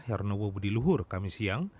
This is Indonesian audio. hernewo budiluhur kamisiyang